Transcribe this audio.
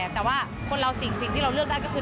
แต่ว่าคนเราสิ่งที่เราเลือกได้ก็คือ